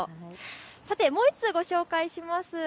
さてもう１通ご紹介します。